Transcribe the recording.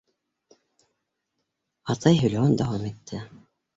Атай һөйләүен дауам итте.